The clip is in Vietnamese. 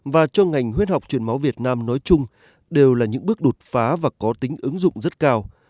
và cho ngành huyết học truyền máu việt nam nói chung đều là những bước đột phá và có tính ứng dụng rất cao